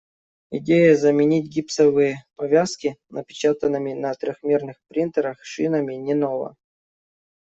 Идея заменить гипсовые повязки напечатанными на трёхмерных принтерах шинами не нова.